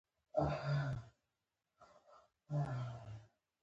د سیریلیون کورنۍ جګړه په لومړي سر کې پیل شوې وه.